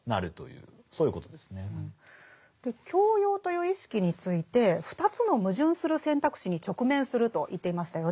教養という意識について２つの矛盾する選択肢に直面すると言っていましたよね。